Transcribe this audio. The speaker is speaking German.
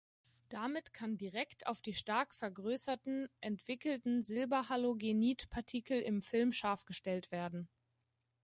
Damit kann direkt auf die stark vergrößerten entwickelten Silberhalogenid-Partikel im Film scharfgestellt werden.